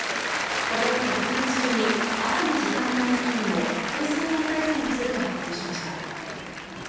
これを受け今月中に朝の時間帯の勤務を複数人体制にすると発表しました